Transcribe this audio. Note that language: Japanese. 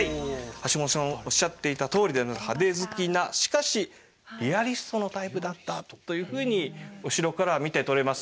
橋本さんおっしゃっていたとおりで派手好きなしかしリアリストのタイプだったというふうにお城から見て取れます。